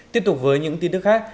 tiếp tục với những tin tức khác